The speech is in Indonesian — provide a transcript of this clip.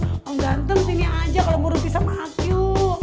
ih om ganteng om ganteng sini aja kalo mau berpisah sama aku